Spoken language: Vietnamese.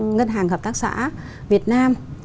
ngân hàng hợp tác xã việt nam